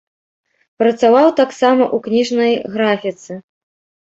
Працаваў таксама ў кніжнай графіцы.